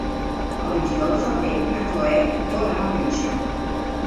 El vint-i-nou de febrer na Cloè vol anar al metge.